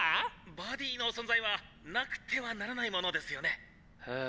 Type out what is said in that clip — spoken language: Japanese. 「バディの存在はなくてはならないものですよねっ！」